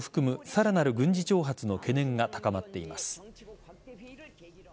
さらなる軍事挑発の懸念が高まっています。